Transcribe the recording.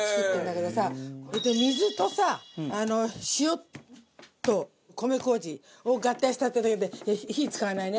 水とさ塩と米麹を合体したってだけで火使わないね。